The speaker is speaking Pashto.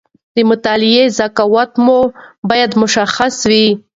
د مطالعې ذوق مو باید مشخص وي.